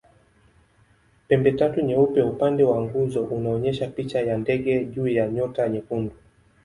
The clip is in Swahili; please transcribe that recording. Pembetatu nyeupe upande wa nguzo unaonyesha picha ya ndege juu ya nyota nyekundu.